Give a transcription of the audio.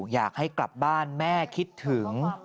อยากให้กลับบ้านแม่คิดถึง